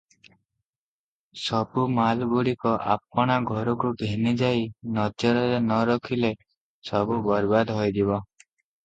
ସବୁ ମାଲଗୁଡିକ ଆପଣା ଘରକୁ ଘେନି ଯାଇ ନଜରରେ ନ ରଖିଲେ ସବୁ ବରବାଦ ହୋଇଯିବ ।"